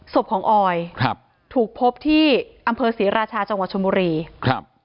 ศพของออยครับถูกพบที่อำเภอศรีราชาจังหวัดชนบุรีครับ